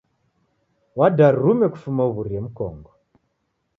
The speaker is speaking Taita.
Wadarume kufuma uw'urie mkongo.